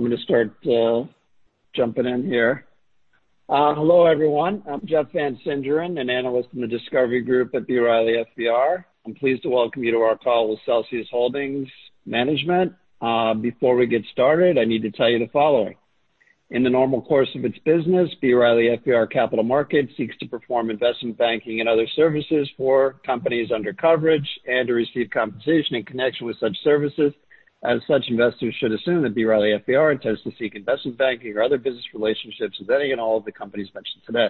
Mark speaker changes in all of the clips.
Speaker 1: I'm going to start jumping in here. Hello, everyone. I'm Jeff Van Sinderen, an analyst in the Discovery Group at B. Riley FBR. I'm pleased to welcome you to our call with Celsius Holdings Management. Before we get started, I need to tell you the following. In the normal course of its business, B. Riley FBR Capital Markets seeks to perform investment banking and other services for companies under coverage and to receive compensation in connection with such services. As such, investors should assume that B. Riley FBR intends to seek investment banking or other business relationships with any and all of the companies mentioned today.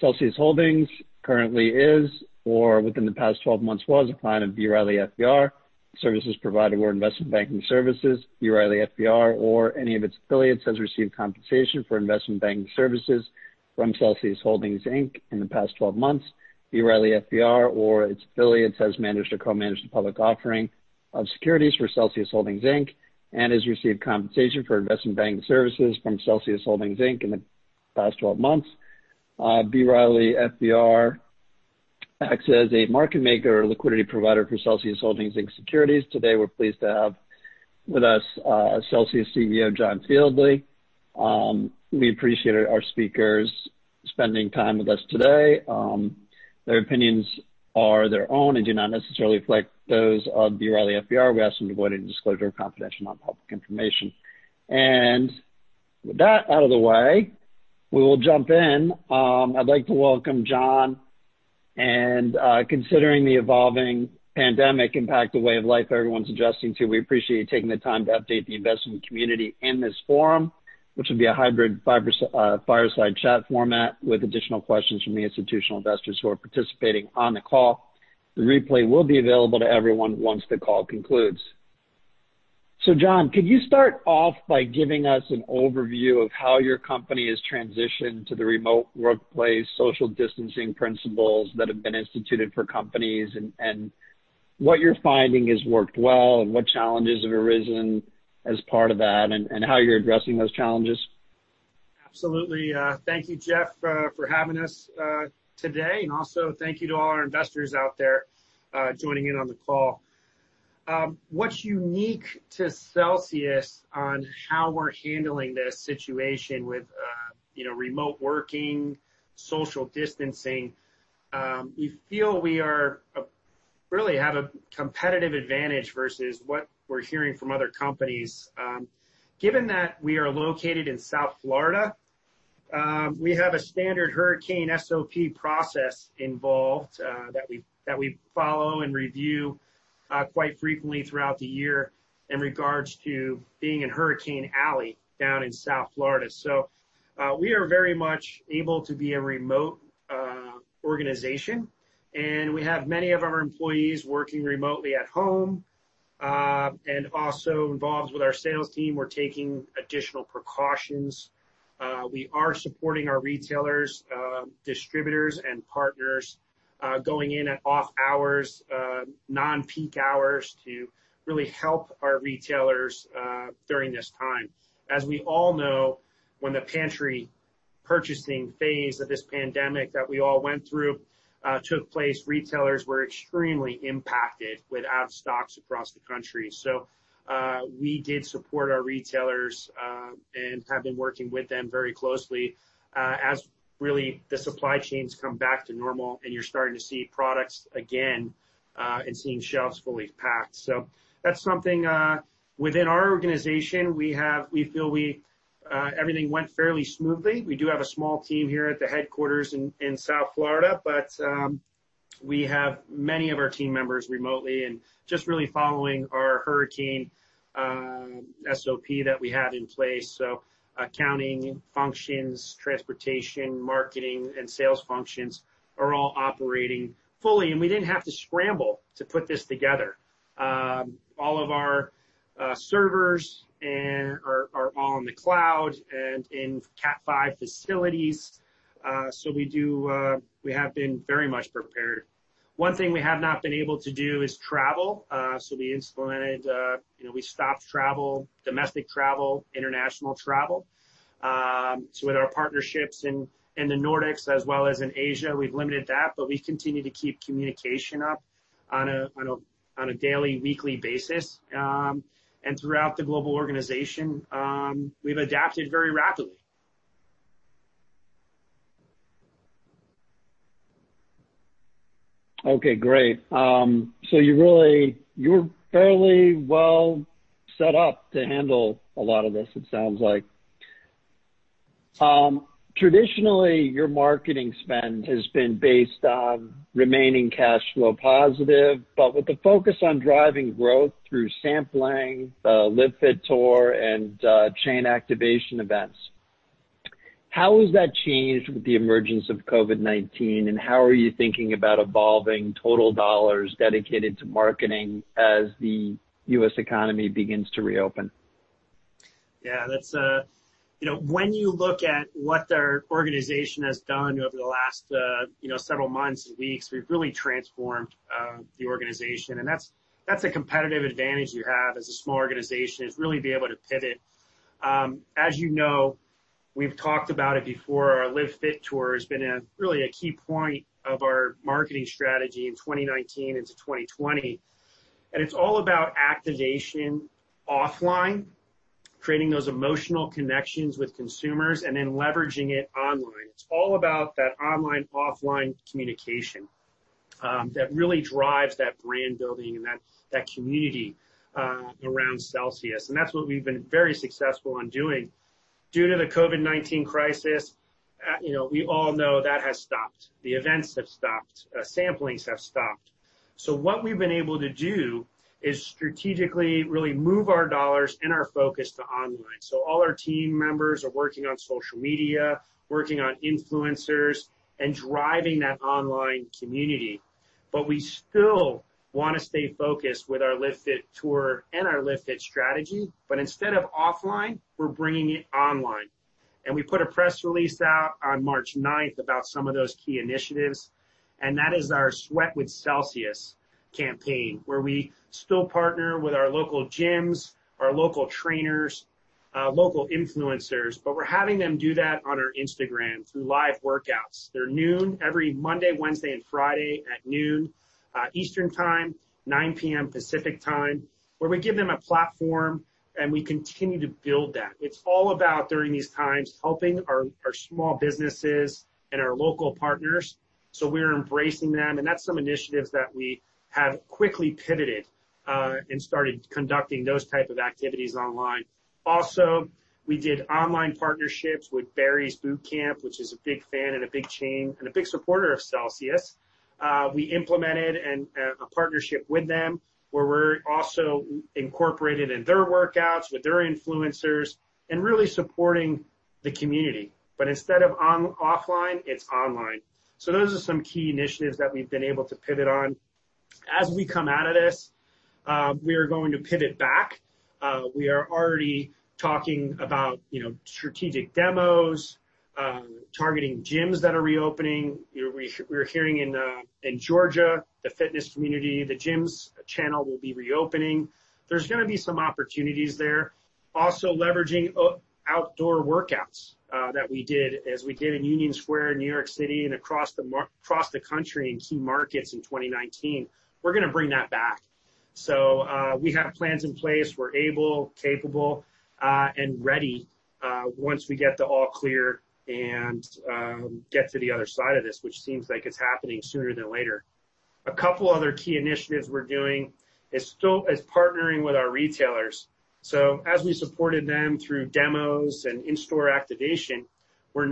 Speaker 1: Celsius Holdings currently is, or within the past 12 months was, a client of B. Riley FBR. Services provided were investment banking services. B. Riley FBR or any of its affiliates has received compensation for investment banking services from Celsius Holdings, Inc. in the past 12 months. B. Riley FBR or its affiliates has managed or co-managed the public offering of securities for Celsius Holdings, Inc. and has received compensation for investment banking services from Celsius Holdings, Inc. in the past 12 months. B. Riley FBR acts as a market maker or liquidity provider for Celsius Holdings, Inc. securities. Today, we're pleased to have with us Celsius CEO John Fieldly. We appreciate our speakers spending time with us today. Their opinions are their own and do not necessarily reflect those of B. Riley FBR. We ask them to avoid any disclosure of confidential non-public information. With that out of the way, we will jump in. I'd like to welcome John. Considering the evolving pandemic impact, the way of life everyone's adjusting to, we appreciate you taking the time to update the investment community in this forum, which will be a hybrid fireside chat format with additional questions from the institutional investors who are participating on the call. The replay will be available to everyone once the call concludes. John, could you start off by giving us an overview of how your company has transitioned to the remote workplace, social distancing principles that have been instituted for companies, and what you're finding has worked well, and what challenges have arisen as part of that, and how you're addressing those challenges?
Speaker 2: Absolutely. Thank you, Jeff, for having us today, and also thank you to all our investors out there joining in on the call. What's unique to Celsius on how we're handling this situation with remote working, social distancing, we feel we really have a competitive advantage versus what we're hearing from other companies. Given that we are located in South Florida, we have a standard hurricane SOP process involved that we follow and review quite frequently throughout the year in regards to being in Hurricane Alley down in South Florida. We are very much able to be a remote organization, and we have many of our employees working remotely at home, and also involved with our sales team. We're taking additional precautions. We are supporting our retailers, distributors, and partners going in at off hours, non-peak hours, to really help our retailers during this time. As we all know, when the pantry purchasing phase of this pandemic that we all went through took place, retailers were extremely impacted without stocks across the country. We did support our retailers and have been working with them very closely as really the supply chains come back to normal and you're starting to see products again and seeing shelves fully packed. That's something within our organization, we feel everything went fairly smoothly. We do have a small team here at the headquarters in South Florida, but we have many of our team members remotely, and just really following our hurricane SOP that we have in place. Accounting functions, transportation, marketing, and sales functions are all operating fully, and we didn't have to scramble to put this together. All of our servers are all in the cloud and in Category 5 facilities. We have been very much prepared. One thing we have not been able to do is travel. We implemented, we stopped travel, domestic travel, international travel. With our partnerships in the Nordics as well as in Asia, we've limited that, but we continue to keep communication up on a daily, weekly basis. Throughout the global organization, we've adapted very rapidly.
Speaker 1: Okay, great. You're fairly well set up to handle a lot of this, it sounds like. Traditionally, your marketing spend has been based on remaining cash flow positive, with the focus on driving growth through sampling, Live Fit Tour, and chain activation events. How has that changed with the emergence of COVID-19, how are you thinking about evolving total dollars dedicated to marketing as the U.S. economy begins to reopen?
Speaker 2: Yeah. When you look at what our organization has done over the last several months and weeks, we've really transformed the organization, and that's a competitive advantage you have as a small organization, is really be able to pivot. As you know, we've talked about it before, our Live Fit Tour has been really a key point of our marketing strategy in 2019 into 2020. It's all about activation offline, creating those emotional connections with consumers, and then leveraging it online. It's all about that online-offline communication that really drives that brand building and that community around Celsius, and that's what we've been very successful in doing. Due to the COVID-19 crisis, we all know that has stopped. The events have stopped. Samplings have stopped. What we've been able to do is strategically really move our dollars and our focus to online. All our team members are working on social media, working on influencers, and driving that online community. We still want to stay focused with our Live Fit Tour and our Live Fit strategy. Instead of offline, we're bringing it online. We put a press release out on March 9th about some of those key initiatives, and that is our Sweat with Celsius campaign, where we still partner with our local gyms, our local trainers, local influencers, but we're having them do that on our Instagram through live workouts. They're 12:00 P.M. every Monday, Wednesday, and Friday at 12:00 P.M. Eastern Time, 9:00 P.M. Pacific Time, where we give them a platform, and we continue to build that. It's all about, during these times, helping our small businesses and our local partners, so we're embracing them. That's some initiatives that we have quickly pivoted, and started conducting those type of activities online. We did online partnerships with Barry's Bootcamp, which is a big fan and a big chain and a big supporter of Celsius. We implemented a partnership with them where we're also incorporated in their workouts with their influencers and really supporting the community. Instead of offline, it's online. Those are some key initiatives that we've been able to pivot on. As we come out of this, we are going to pivot back. We are already talking about strategic demos, targeting gyms that are reopening. We're hearing in Georgia, the fitness community, the gyms channel will be reopening. There's going to be some opportunities there. Leveraging outdoor workouts that we did as we did in Union Square in New York City and across the country in key markets in 2019. We're going to bring that back. We have plans in place. We're able, capable, and ready once we get the all clear and get to the other side of this, which seems like it's happening sooner than later. A couple other key initiatives we're doing is partnering with our retailers. As we supported them through demos and in-store activation, we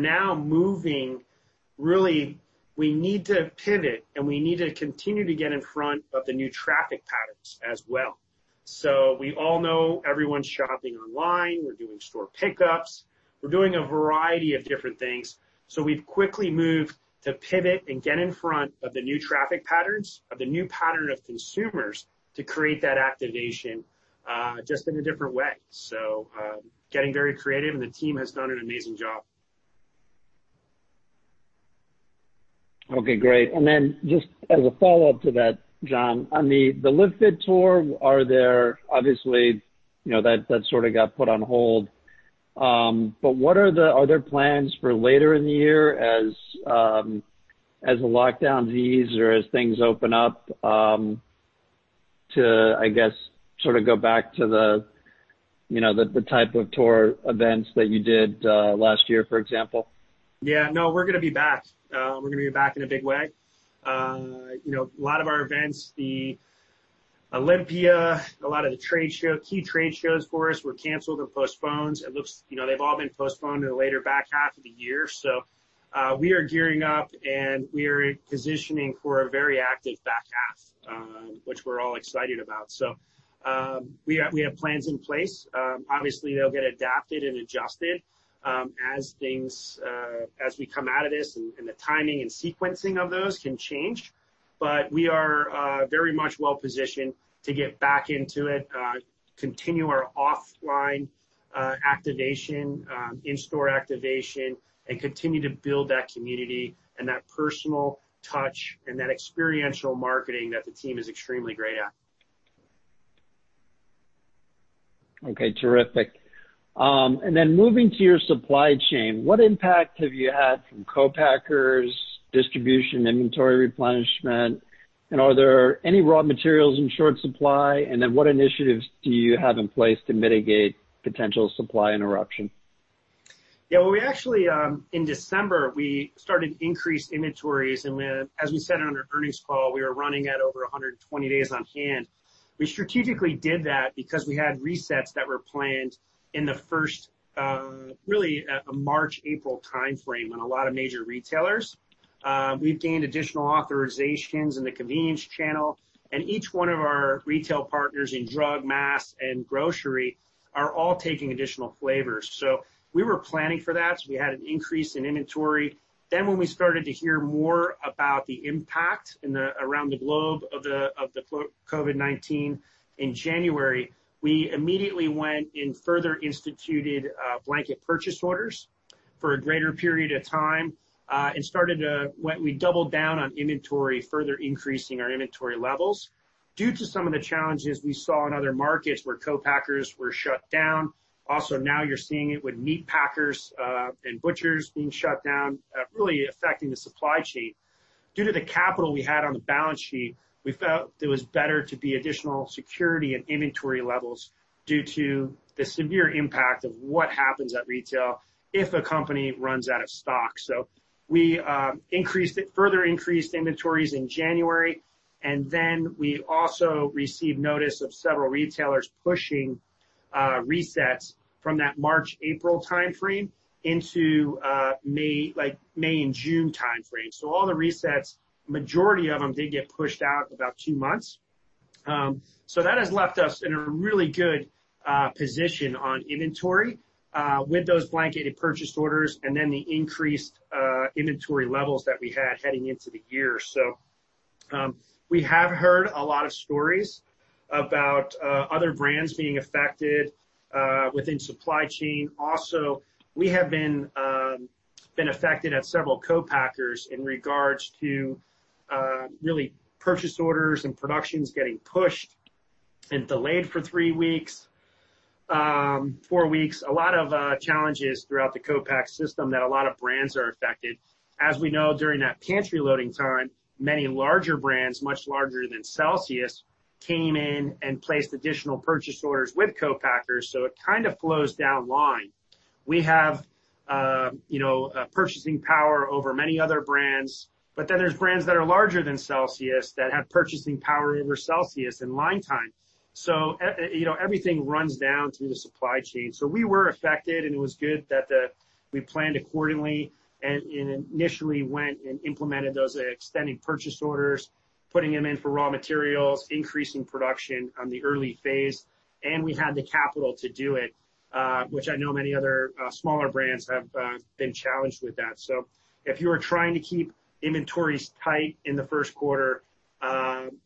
Speaker 2: need to pivot, and we need to continue to get in front of the new traffic patterns as well. We all know everyone's shopping online. We're doing store pickups. We're doing a variety of different things. We've quickly moved to pivot and get in front of the new traffic patterns, of the new pattern of consumers, to create that activation just in a different way. Getting very creative, and the team has done an amazing job.
Speaker 1: Okay, great. Just as a follow-up to that, John, on the Live Fit Tour, obviously, that sort of got put on hold. Are there plans for later in the year as the lockdown eases or as things open up, to, I guess, sort of go back to the type of tour events that you did last year, for example?
Speaker 2: Yeah. No, we're going to be back. We're going to be back in a big way. A lot of our events, the Olympia, a lot of the key trade shows for us were canceled or postponed. They've all been postponed to the later back half of the year. We are gearing up, and we are positioning for a very active back half, which we're all excited about. We have plans in place. Obviously, they'll get adapted and adjusted as we come out of this, and the timing and sequencing of those can change. We are very much well positioned to get back into it, continue our offline activation, in-store activation, and continue to build that community and that personal touch and that experiential marketing that the team is extremely great at.
Speaker 1: Okay, terrific. Moving to your supply chain, what impact have you had from co-packers, distribution, inventory replenishment, and are there any raw materials in short supply? What initiatives do you have in place to mitigate potential supply interruption?
Speaker 2: Well, we actually, in December, we started increased inventories, and as we said on our earnings call, we were running at over 120 days on hand. We strategically did that because we had resets that were planned in the first, really, March, April timeframe on a lot of major retailers. Each one of our retail partners in drug, mass, and grocery are all taking additional flavors. We were planning for that. We had an increase in inventory. When we started to hear more about the impact around the globe of the COVID-19 in January, we immediately went and further instituted blanket purchase orders for a greater period of time. We doubled down on inventory, further increasing our inventory levels. Due to some of the challenges we saw in other markets where co-packers were shut down. Now you're seeing it with meat packers and butchers being shut down, really affecting the supply chain. Due to the capital we had on the balance sheet, we felt it was better to be additional security and inventory levels due to the severe impact of what happens at retail if a company runs out of stock. We further increased inventories in January, and then we also received notice of several retailers pushing resets from that March, April timeframe into May and June timeframe. All the resets, majority of them, did get pushed out about two months. That has left us in a really good position on inventory with those blanketed purchase orders and then the increased inventory levels that we had heading into the year. We have heard a lot of stories about other brands being affected within supply chain. We have been affected at several co-packers in regards to really purchase orders and productions getting pushed and delayed for three weeks, four weeks. A lot of challenges throughout the co-pack system that a lot of brands are affected. As we know, during that pantry loading time, many larger brands, much larger than Celsius, came in and placed additional purchase orders with co-packers. It kind of flows down line. We have purchasing power over many other brands, but then there's brands that are larger than Celsius that have purchasing power over Celsius in line time. Everything runs down through the supply chain. We were affected, and it was good that we planned accordingly and initially went and implemented those extended purchase orders, putting them in for raw materials, increasing production on the early phase. We had the capital to do it, which I know many other smaller brands have been challenged with that. If you are trying to keep inventories tight in the Q1,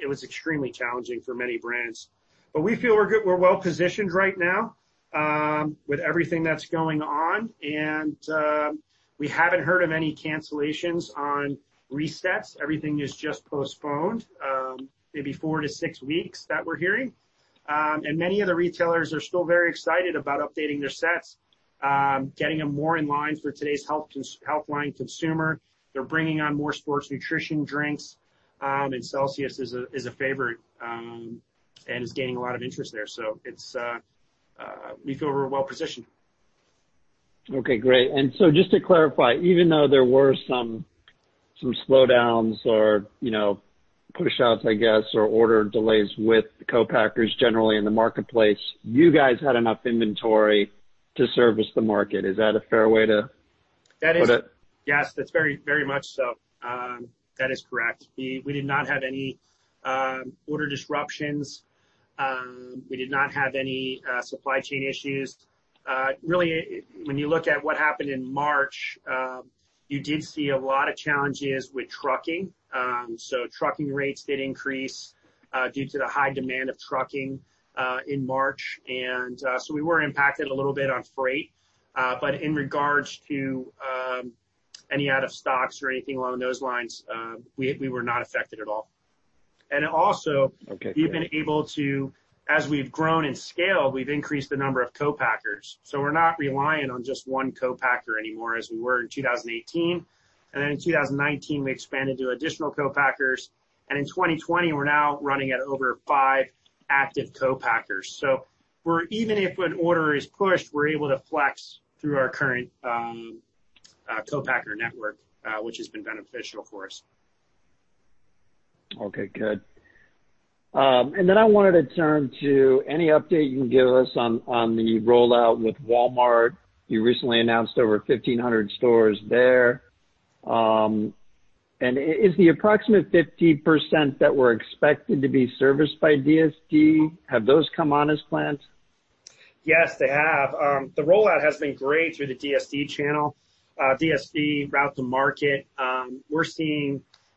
Speaker 2: it was extremely challenging for many brands. We feel we're well positioned right now with everything that's going on, and we haven't heard of any cancellations on resets. Everything is just postponed, maybe four to six weeks that we're hearing. Many of the retailers are still very excited about updating their sets, getting them more in line for today's health-line consumer. They're bringing on more sports nutrition drinks, and Celsius is a favorite and is gaining a lot of interest there. We feel we're well positioned.
Speaker 1: Okay, great. Just to clarify, even though there were some slowdowns or pushouts, I guess, or order delays with co-packers generally in the marketplace, you guys had enough inventory to service the market. Is that a fair way to put it?
Speaker 2: Yes, that's very much so. That is correct. We did not have any order disruptions. We did not have any supply chain issues. Really, when you look at what happened in March, you did see a lot of challenges with trucking. Trucking rates did increase due to the high demand of trucking in March. We were impacted a little bit on freight. In regards to any out of stocks or anything along those lines, we were not affected at all. We've been able to, as we've grown in scale, we've increased the number of co-packers. We're not reliant on just one co-packer anymore as we were in 2018. In 2019, we expanded to additional co-packers, and in 2020, we're now running at over five active co-packers. Even if an order is pushed, we're able to flex through our current co-packer network, which has been beneficial for us.
Speaker 1: Okay, good. I wanted to turn to any update you can give us on the rollout with Walmart. You recently announced over 1,500 stores there. Is the approximate 50% that were expected to be serviced by DSD, have those come on as planned?
Speaker 2: Yes, they have. The rollout has been great through the DSD channel. DSD route to market.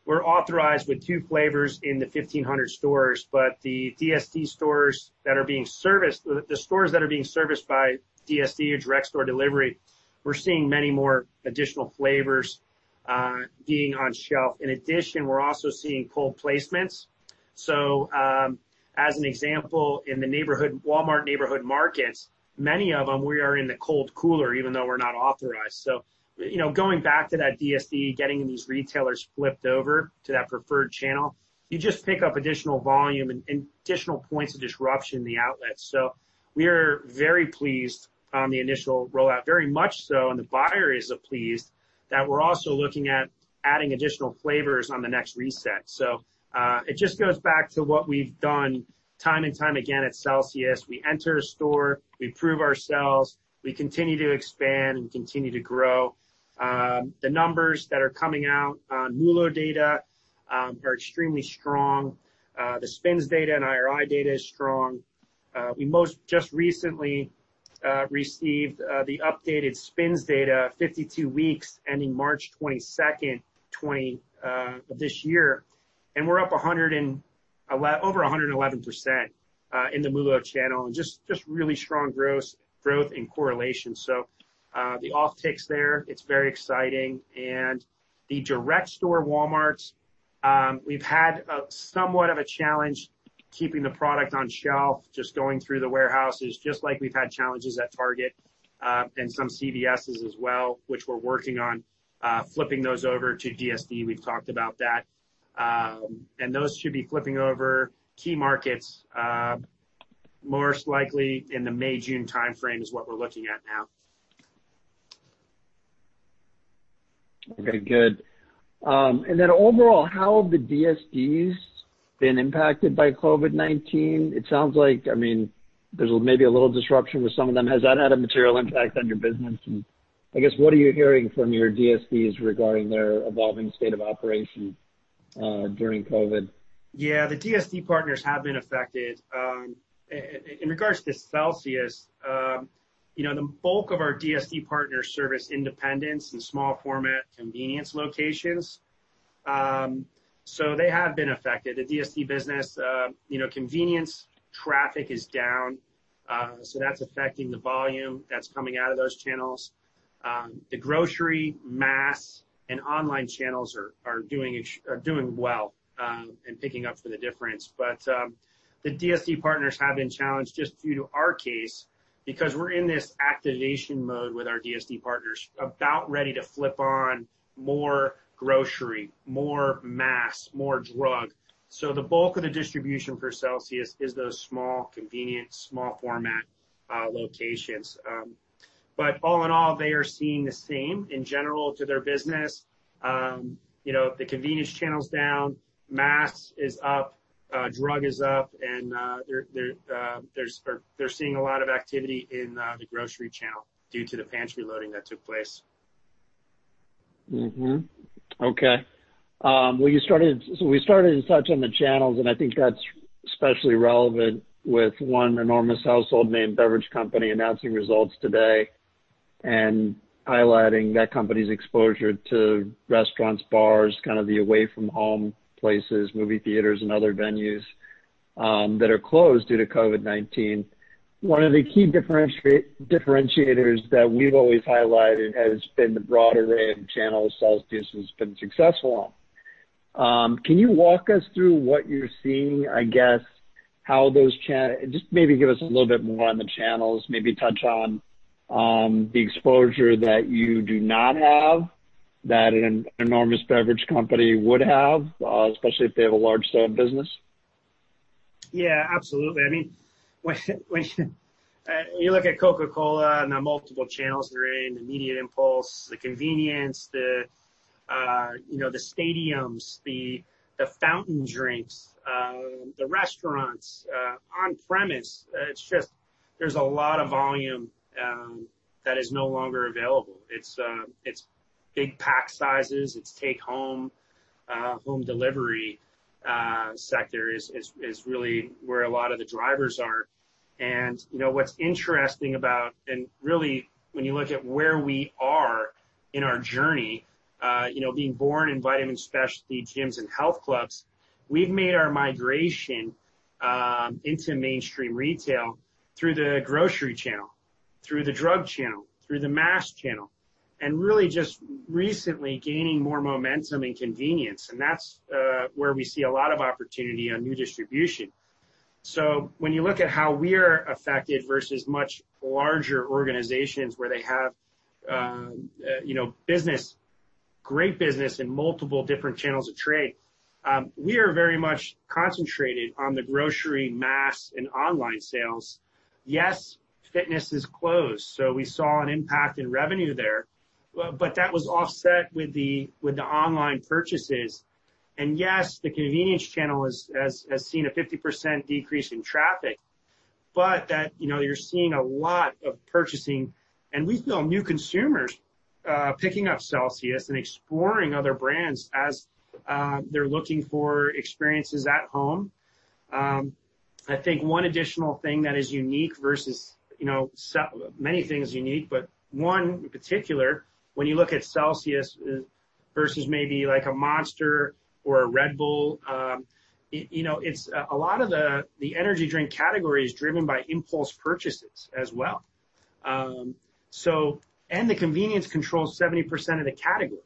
Speaker 2: We're authorized with two flavors in the 1,500 stores, but the DSD stores that are being serviced, the stores that are being serviced by DSD or direct store delivery, we're seeing many more additional flavors being on shelf. In addition, we're also seeing cold placements. As an example, in the Walmart Neighborhood Market, many of them we are in the cold cooler even though we're not authorized. Going back to that DSD, getting these retailers flipped over to that preferred channel, you just pick up additional volume and additional points of disruption in the outlet. We are very pleased on the initial rollout, very much so, and the buyer is pleased that we're also looking at adding additional flavors on the next reset. It just goes back to what we've done time and time again at Celsius. We enter a store, we prove ourselves, we continue to expand and continue to grow. The numbers that are coming out on MULO data are extremely strong. The SPINS data and IRI data is strong. We most just recently received the updated SPINS data, 52 weeks ending March 22nd of this year, and we're up 111% in the MULO channel, and just really strong growth and correlation. The off takes there, it's very exciting. The direct store Walmarts, we've had somewhat of a challenge keeping the product on shelf, just going through the warehouses, just like we've had challenges at Target, and some CVS as well, which we're working on, flipping those over to DSD. We've talked about that. Those should be flipping over key markets, most likely in the May, June timeframe is what we're looking at now.
Speaker 1: Okay, good. Overall, how have the DSDs been impacted by COVID-19? It sounds like, there's maybe a little disruption with some of them. Has that had a material impact on your business? I guess, what are you hearing from your DSDs regarding their evolving state of operation during COVID?
Speaker 2: The DSD partners have been affected. In regards to Celsius, the bulk of our DSD partners service independents and small format convenience locations. They have been affected. The DSD business, convenience traffic is down, that's affecting the volume that's coming out of those channels. The grocery, mass, and online channels are doing well, and picking up for the difference. The DSD partners have been challenged just due to our case, because we're in this activation mode with our DSD partners about ready to flip on more grocery, more mass, more drug. The bulk of the distribution for Celsius is those small convenience, small format locations. All in all, they are seeing the same in general to their business. The convenience channel's down, mass is up, drug is up, and they're seeing a lot of activity in the grocery channel due to the pantry loading that took place.
Speaker 1: Okay. We started to touch on the channels, and I think that's especially relevant with one enormous household named Beverage Company announcing results today and highlighting that company's exposure to restaurants, bars, kind of the away from home places, movie theaters, and other venues that are closed due to COVID-19. One of the key differentiators that we've always highlighted has been the broad array of channels Celsius has been successful on. Can you walk us through what you're seeing? Just maybe give us a little bit more on the channels, maybe touch on the exposure that you do not have that an enormous beverage company would have, especially if they have a large sale business.
Speaker 2: Yeah, absolutely. I mean, when you look at Coca-Cola and the multiple channels they're in, immediate impulse, the convenience, the stadiums, the fountain drinks, the restaurants, on premise, it's just there's a lot of volume that is no longer available. It's big pack sizes. It's take home delivery sector is really where a lot of the drivers are. What's interesting about, and really when you look at where we are in our journey, being born in vitamin specialty gyms and health clubs, we've made our migration into mainstream retail through the grocery channel, through the drug channel, through the mass channel. Really just recently gaining more momentum and convenience. That's where we see a lot of opportunity on new distribution. When you look at how we're affected versus much larger organizations where they have great business in multiple different channels of trade, we are very much concentrated on the grocery, mass, and online sales. Yes, fitness is closed, so we saw an impact in revenue there. That was offset with the online purchases. Yes, the convenience channel has seen a 50% decrease in traffic. That you're seeing a lot of purchasing, and we feel new consumers picking up Celsius and exploring other brands as they're looking for experiences at home. I think one additional thing that is unique versus, many things unique, but one in particular, when you look at Celsius versus maybe like a Monster or a Red Bull, a lot of the energy drink category is driven by impulse purchases as well. The convenience controls 70% of the category.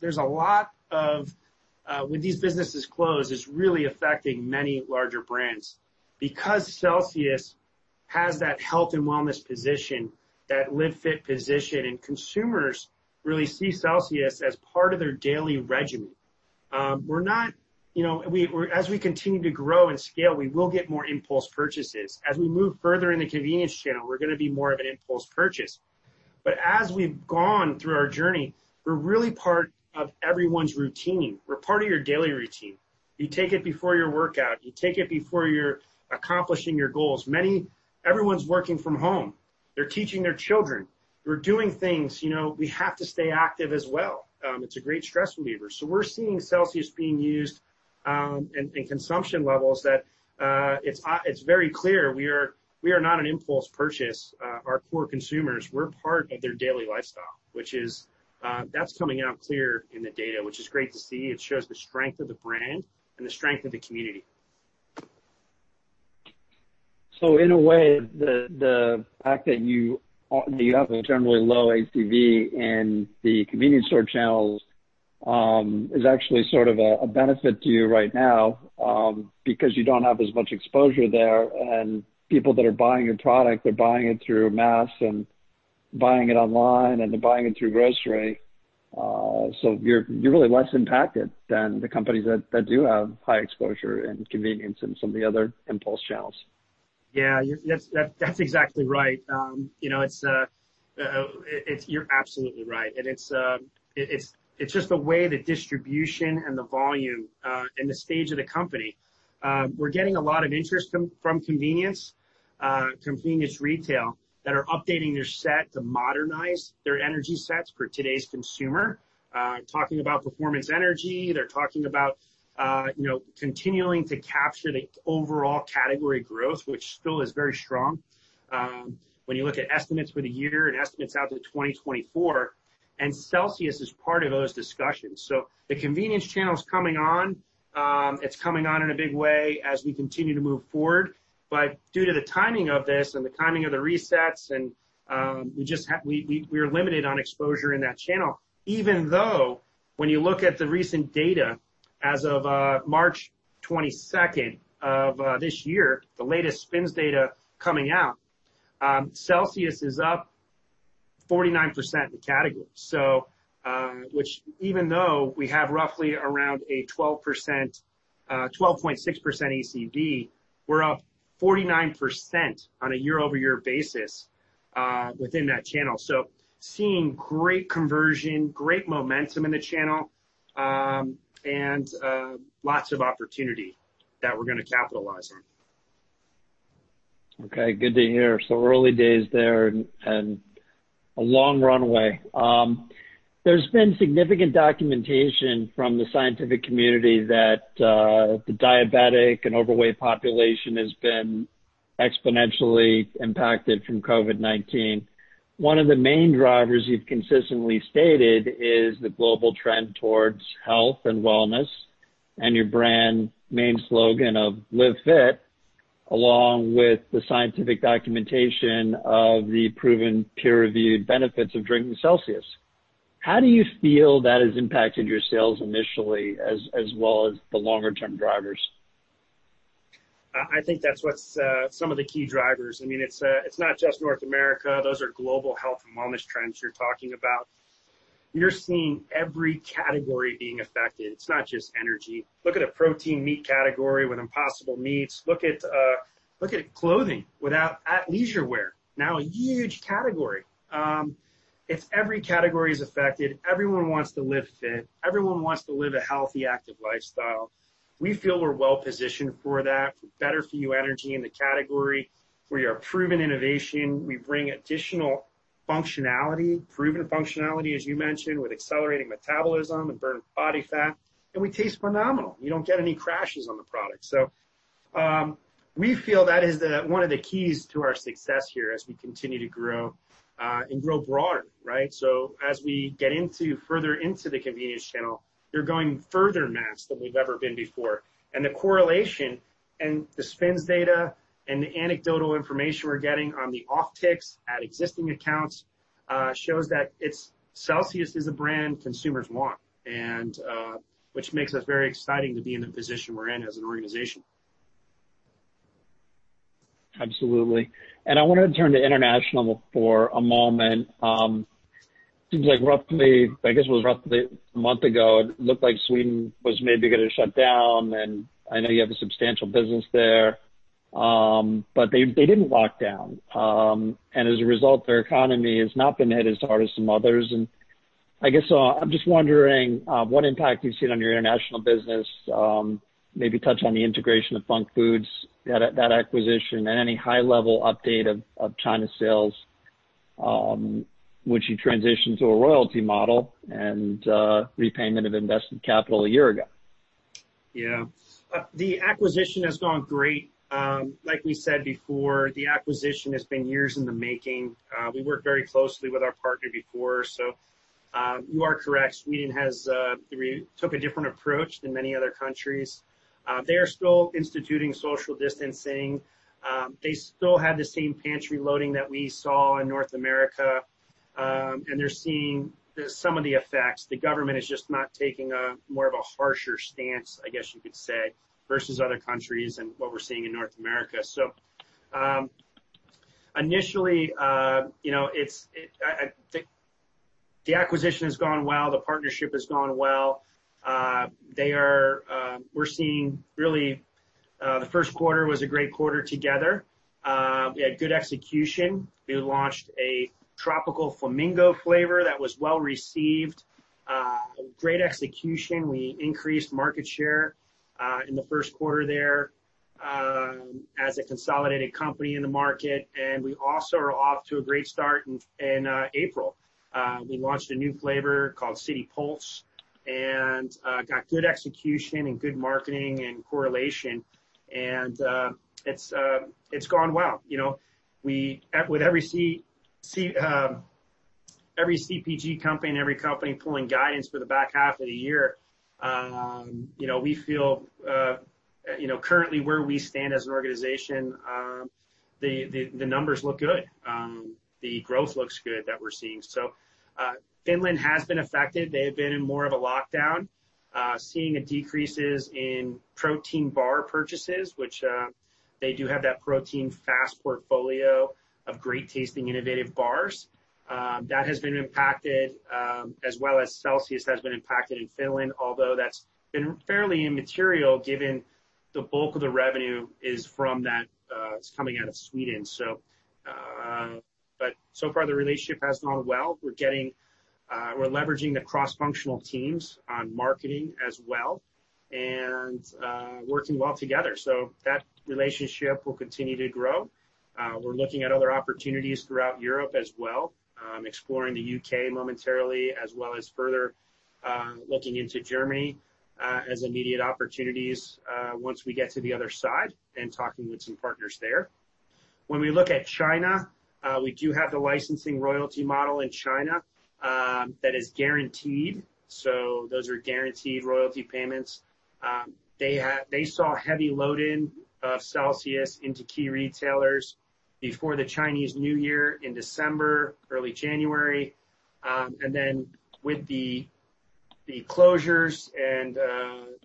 Speaker 2: There's a lot of, with these businesses closed, it's really affecting many larger brands. Because Celsius has that health and wellness position, that Live Fit position, and consumers really see Celsius as part of their daily regimen. As we continue to grow and scale, we will get more impulse purchases. As we move further in the convenience channel, we're going to be more of an impulse purchase. As we've gone through our journey, we're really part of everyone's routine. We're part of your daily routine. You take it before your workout. You take it before you're accomplishing your goals. Everyone's working from home. They're teaching their children. We're doing things, we have to stay active as well. It's a great stress reliever. We're seeing Celsius being used, and consumption levels that it's very clear we are not an impulse purchase. Our core consumers, we're part of their daily lifestyle, that's coming out clear in the data, which is great to see. It shows the strength of the brand and the strength of the community.
Speaker 1: In a way, the fact that you have a generally low ACV in the convenience store channels is actually sort of a benefit to you right now, because you don't have as much exposure there, and people that are buying your product are buying it through mass and buying it online, and they're buying it through grocery. You're really less impacted than the companies that do have high exposure in convenience and some of the other impulse channels.
Speaker 2: Yeah. That's exactly right. You're absolutely right. It's just the way the distribution and the volume, and the stage of the company. We're getting a lot of interest from convenience retail that are updating their set to modernize their energy sets for today's consumer. Talking about performance energy, they're talking about continuing to capture the overall category growth, which still is very strong, when you look at estimates for the year and estimates out to 2024, and Celsius is part of those discussions. The convenience channel's coming on. It's coming on in a big way as we continue to move forward. Due to the timing of this and the timing of the resets and we're limited on exposure in that channel, even though when you look at the recent data as of March 22nd of this year, the latest SPINS data coming out, Celsius is up 49% in the category. Which even though we have roughly around a 12.6% ACV, we're up 49% on a year-over-year basis within that channel. Seeing great conversion, great momentum in the channel, and lots of opportunity that we're going to capitalize on.
Speaker 1: Okay, good to hear. Early days there and a long runway. There's been significant documentation from the scientific community that the diabetic and overweight population has been exponentially impacted from COVID-19. One of the main drivers you've consistently stated is the global trend towards health and wellness and your brand main slogan of Live Fit, along with the scientific documentation of the proven peer-reviewed benefits of drinking Celsius. How do you feel that has impacted your sales initially as well as the longer-term drivers?
Speaker 2: I think that's what's some of the key drivers. It's not just North America. Those are global health and wellness trends you're talking about. You're seeing every category being affected. It's not just energy. Look at a protein meat category with Impossible Foods. Look at clothing, at leisure wear. Now a huge category. If every category is affected, everyone wants to Live Fit, everyone wants to live a healthy, active lifestyle. We feel we're well-positioned for that, for better for you energy in the category. We are proven innovation. We bring additional functionality, proven functionality, as you mentioned, with accelerating metabolism and burn body fat, and we taste phenomenal. You don't get any crashes on the product. We feel that is one of the keys to our success here as we continue to grow and grow broadly, right? As we get further into the convenience channel, they're going further mass than we've ever been before, and the correlation and the SPINS data and the anecdotal information we're getting on the off ticks at existing accounts, shows that Celsius is a brand consumers want, and which makes us very exciting to be in the position we're in as an organization.
Speaker 1: Absolutely. I want to turn to international for a moment. Seems like roughly, I guess it was roughly a month ago, it looked like Sweden was maybe going to shut down, and I know you have a substantial business there. They didn't lock down. As a result, their economy has not been hit as hard as some others, and I guess I'm just wondering what impact you've seen on your international business. Maybe touch on the integration of Func Food, that acquisition, and any high-level update of China sales, which you transitioned to a royalty model and repayment of invested capital a year ago.
Speaker 2: The acquisition has gone great. Like we said before, the acquisition has been years in the making. We worked very closely with our partner before. You are correct, Sweden took a different approach than many other countries. They are still instituting social distancing. They still have the same pantry loading that we saw in North America. They're seeing some of the effects. The government is just not taking a more of a harsher stance, I guess you could say, versus other countries and what we're seeing in North America. Initially, the acquisition has gone well. The partnership has gone well. We're seeing really, the Q1 was a great quarter together. We had good execution. We launched a Flamingo Tropical flavor that was well-received. Great execution. We increased market share, in the Q1 there, as a consolidated company in the market, and we also are off to a great start in April. We launched a new flavor called City Pulse and got good execution and good marketing and correlation. It's gone well. With every CPG company and every company pulling guidance for the back half of the year. We feel, currently where we stand as an organization, the numbers look good. The growth looks good that we're seeing. Finland has been affected. They have been in more of a lockdown, seeing decreases in protein bar purchases, which they do have that protein FAST portfolio of great tasting innovative bars. That has been impacted, as well as Celsius has been impacted in Finland, although that's been fairly immaterial given the bulk of the revenue is coming out of Sweden. So far, the relationship has gone well. We're leveraging the cross-functional teams on marketing as well and working well together. That relationship will continue to grow. We're looking at other opportunities throughout Europe as well, exploring the U.K. momentarily, as well as further looking into Germany as immediate opportunities once we get to the other side and talking with some partners there. When we look at China, we do have the licensing royalty model in China that is guaranteed. Those are guaranteed royalty payments. They saw a heavy load-in of Celsius into key retailers before the Chinese New Year in December, early January. With the closures and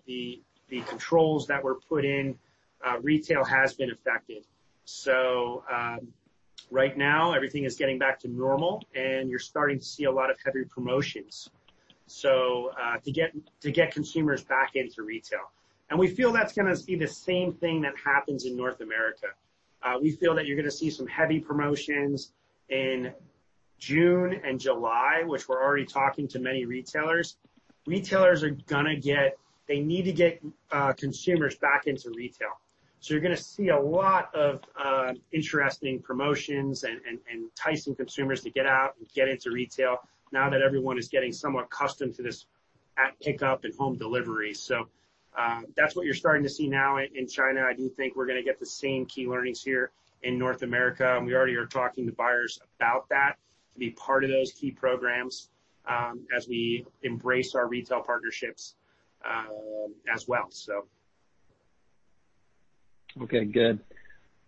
Speaker 2: the controls that were put in, retail has been affected. Right now, everything is getting back to normal, and you're starting to see a lot of heavy promotions to get consumers back into retail. We feel that's going to be the same thing that happens in North America. We feel that you're going to see some heavy promotions in June and July, which we're already talking to many retailers. Retailers, they need to get consumers back into retail. You're going to see a lot of interesting promotions and enticing consumers to get out and get into retail now that everyone is getting somewhat accustomed to this app pickup and home delivery. That's what you're starting to see now in China. I do think we're going to get the same key learnings here in North America, and we already are talking to buyers about that to be part of those key programs as we embrace our retail partnerships as well.
Speaker 1: Okay, good.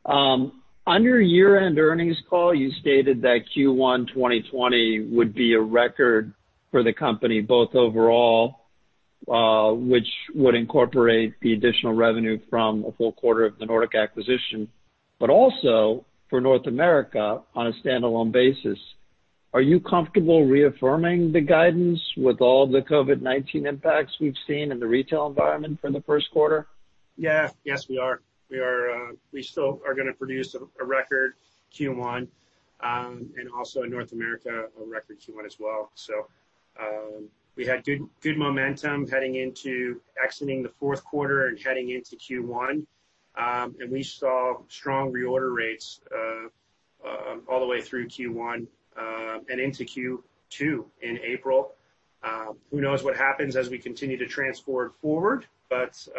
Speaker 1: On your year-end earnings call, you stated that Q1 2020 would be a record for the company, both overall, which would incorporate the additional revenue from a full quarter of the Nordic acquisition, but also for North America on a standalone basis. Are you comfortable reaffirming the guidance with all the COVID-19 impacts we've seen in the retail environment for the Q1?
Speaker 2: Yeah. Yes, we are. We still are going to produce a record Q1, and also in North America, a record Q1 as well. We had good momentum heading into exiting the Q4 and heading into Q1. We saw strong reorder rates all the way through Q1 and into Q2 in April. Who knows what happens as we continue to transport forward, but through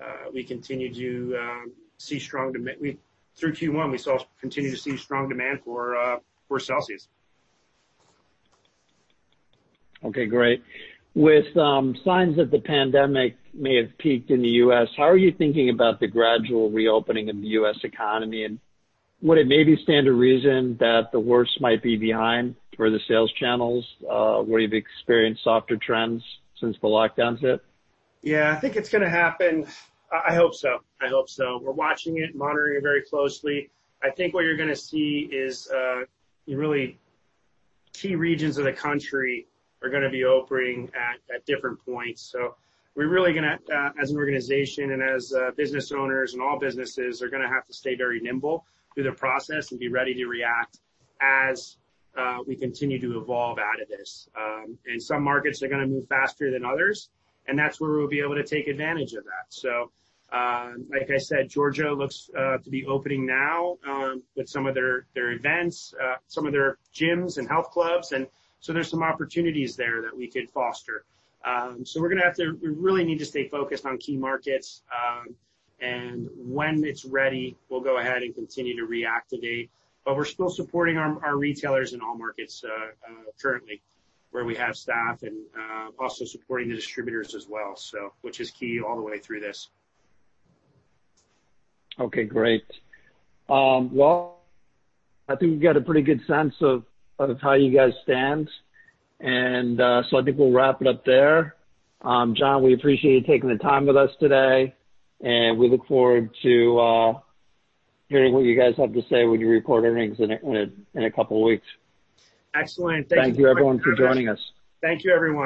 Speaker 2: Q1, we continue to see strong demand for Celsius.
Speaker 1: Okay, great. With signs that the pandemic may have peaked in the U.S., how are you thinking about the gradual reopening of the U.S. economy? Would it maybe stand to reason that the worst might be behind for the sales channels where you've experienced softer trends since the lockdown hit?
Speaker 2: Yeah, I think it's going to happen. I hope so. We're watching it, monitoring it very closely. I think what you're going to see is really key regions of the country are going to be opening at different points. As an organization and as business owners and all businesses, are going to have to stay very nimble through the process and be ready to react as we continue to evolve out of this. Some markets are going to move faster than others, and that's where we'll be able to take advantage of that. Like I said, Georgia looks to be opening now with some of their events, some of their gyms and health clubs. There's some opportunities there that we could foster. We really need to stay focused on key markets. When it's ready, we'll go ahead and continue to reactivate. We're still supporting our retailers in all markets currently where we have staff, and also supporting the distributors as well, which is key all the way through this.
Speaker 1: Okay, great. Well, I think we got a pretty good sense of how you guys stand. I think we'll wrap it up there. John, we appreciate you taking the time with us today, and we look forward to hearing what you guys have to say when you report earnings in a couple of weeks.
Speaker 2: Excellent. Thank you.
Speaker 1: Thank you everyone for joining us.
Speaker 2: Thank you, everyone.